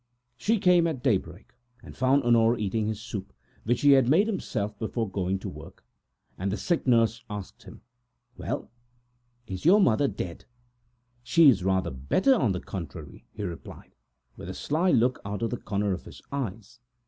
She came at daybreak, and found Honore eating his soup, which he had made himself, before going to work. "Well, is your mother dead?" asked the nurse. "She is rather better, on the contrary," he replied, with a malignant look out of the corner of his eyes.